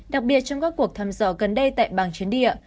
đặc biệt trong các cuộc thăm dò gần đây tại bảng chiến địa